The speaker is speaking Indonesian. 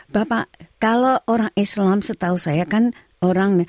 bapak kalau orang islam setahu saya kan orang